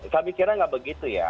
kami kira tidak begitu ya